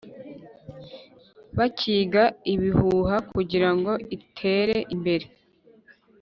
Bakiga ibihuha kugira ngo itere imbere